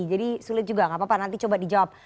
jadi sulit juga enggak apa apa nanti coba dijawab